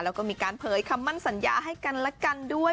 แล้วก็มีการเผยคำมั่นสัญญาให้กันและกันด้วย